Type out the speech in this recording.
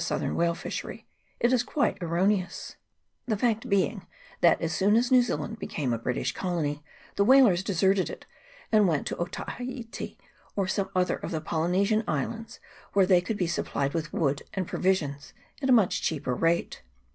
southern whale fishery, it is quite erroneous ; the fact being that, as soon as New Zealand became a British colony, the whalers deserted it, and went to Otaheite, or some other of the Polynesian Islands, where they could be supplied with wood and pro visions at a much cheaper rate.